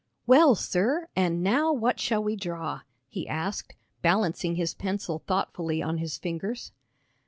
"Well, sir, and now what shall we draw?" he asked, balancing his pencil thoughtfully on his fingers.